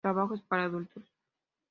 Trabajos para adultos